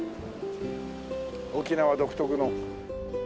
沖縄独特の。